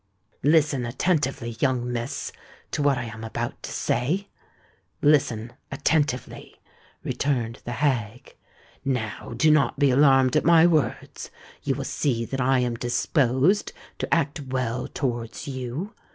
"Listen attentively, young miss, to what I am about to say—listen attentively," returned the hag. "Now do not be alarmed at my words: you will see that I am disposed to act well towards you.